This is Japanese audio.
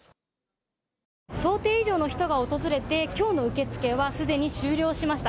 想定以上の人が訪れてきょうの受け付けはすでに終了しました。